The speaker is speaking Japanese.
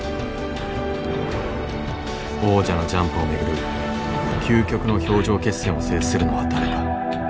王者のジャンプを巡る究極の氷上決戦を制するのは誰か。